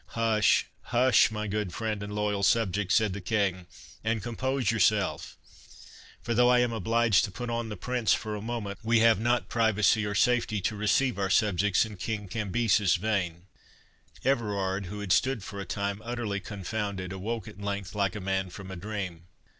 "Hush, hush, my good friend and loyal subject," said the King, "and compose yourself; for though I am obliged to put on the Prince for a moment, we have not privacy or safety to receive our subjects in King Cambyses' vein." Everard, who had stood for a time utterly confounded, awoke at length like a man from a dream.